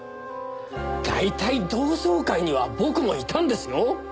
大体同窓会には僕もいたんですよ？